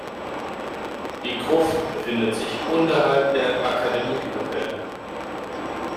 Die Gruft befindet sich unterhalb der Akademie-Kapelle.